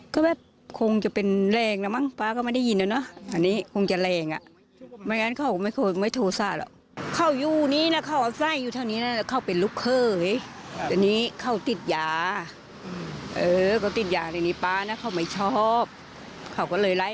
ก็แบบคงจะเป็นแรงนะมั้งป๊าก็ไม่ได้ยินแล้วเนอะ